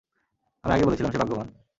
আমি আগেই বলেছিলাম, সে ভাগ্যবান।